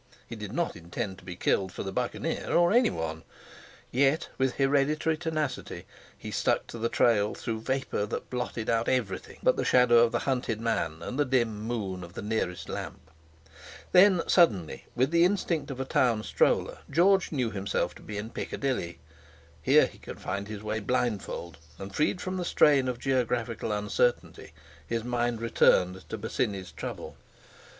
He did not intend to be killed for the Buccaneer, or anyone. Yet, with hereditary tenacity, he stuck to the trail through vapour that blotted out everything but the shadow of the hunted man and the dim moon of the nearest lamp. Then suddenly, with the instinct of a town stroller, George knew himself to be in Piccadilly. Here he could find his way blindfold; and freed from the strain of geographical uncertainty, his mind returned to Bosinney's trouble.